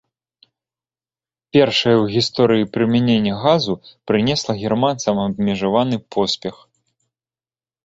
Першае ў гісторыі прымяненне газу прынесла германцам абмежаваны поспех.